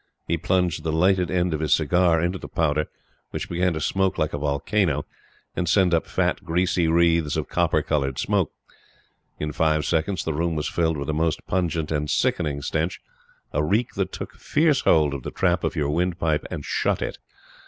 He plunged the lighted end of his cigar into the powder, which began to smoke like a volcano, and send up fat, greasy wreaths of copper colored smoke. In five seconds the room was filled with a most pungent and sickening stench a reek that took fierce hold of the trap of your windpipe and shut it.